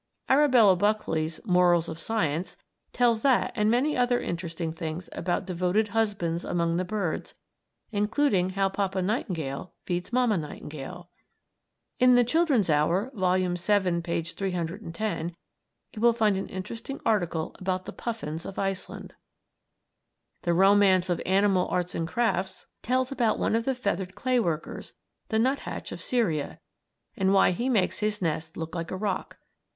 Arabella Buckley's "Morals of Science" tells that and many other interesting things about devoted husbands among the birds, including how Papa Nightingale feeds Mamma Nightingale. In the "Children's Hour," Volume 7, page 310, you will find an interesting article about the puffins of Iceland. "The Romance of Animal Arts and Crafts" tells about one of the feathered clay workers, the nuthatch of Syria, and why he makes his nest look like a rock.